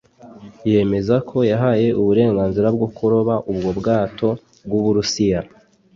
yemeza ko yahaye uburenganzira bwo kuroba ubwo bwato bw’u Burusiya